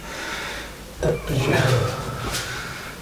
Tapejara